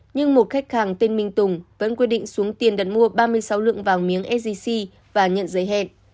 nhưng một khách hàng tên minh tùng vẫn quyết định xuống tiền đặt mua ba mươi sáu lượng vàng miếng sgc và nhận giới hẹn